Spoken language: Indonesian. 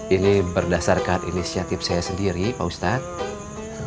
ini berdasarkan inisiatif saya sendiri pak ustadz